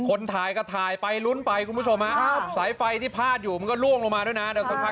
คนถ่ายก็ถ่ายไปลุ้นไปคุณผู้ชมฮะสายไฟที่พาดอยู่มันก็ล่วงลงมาด้วยนะเดี๋ยวสักพัก